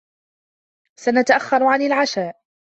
سنتأخر عن العشاء.